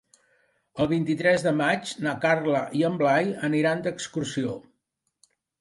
El vint-i-tres de maig na Carla i en Blai aniran d'excursió.